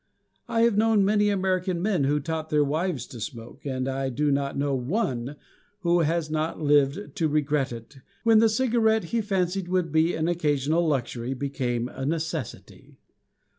I have known many American men who taught their wives to smoke; and I do not know one who has not lived to regret it, when the cigarette he fancied would be an occasional luxury became a necessity.